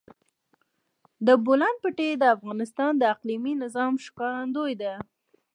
د بولان پټي د افغانستان د اقلیمي نظام ښکارندوی ده.